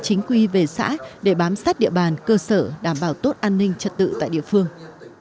chính quy về xã để bám sát địa bàn cơ sở đảm bảo tốt an ninh trật tự tại địa phương